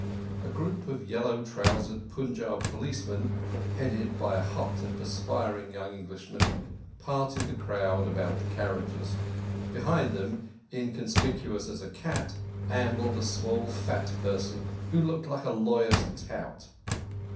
A group of yellow trousered Punjab policemen, headed by a hot and perspiring young Englishman, parted the crowd about the carriages. Behind them, inconspicuous as a cat, ambled a small fat person who looked like a lawyer's tout.